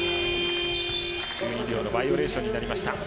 １２秒のバイオレーションになりました。